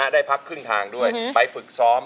ได้พักครึ่งทางด้วยไปฝึกซ้อม